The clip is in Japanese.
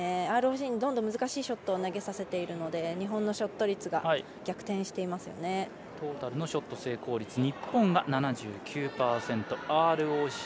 ＲＯＣにどんどん難しいショットを投げさせているので日本のショット率がトータルのショット成功率